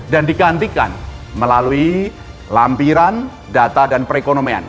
digantikan melalui lampiran data dan perekonomian